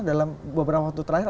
dalam beberapa waktu terakhir